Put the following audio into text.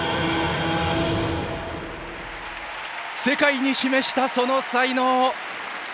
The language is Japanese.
世界に示した、その才能。